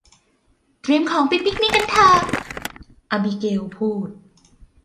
เตรียมของไปปิกนิกกันเถอะ อบิเกลพูด